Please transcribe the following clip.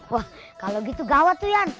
wah kalau gitu gawat tuh yan